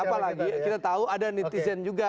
apalagi kita tahu ada netizen juga